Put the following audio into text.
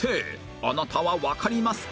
あなたはわかりますか？